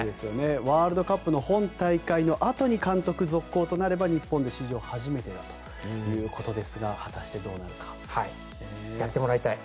ワールドカップの本大会のあとに監督続行となれば日本で史上初めてだということですがやってもらいたい。